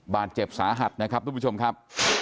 บาดเจ็บสาหัสนะครับทุกผู้ชมครับ